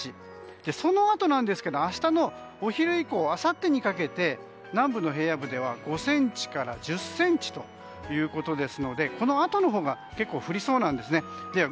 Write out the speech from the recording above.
そのあとなんですが明日のお昼以降あさってにかけて南部の平野部では５ｃｍから１０ｃｍということですのでこのあとのほうが結構降りそうなんですね。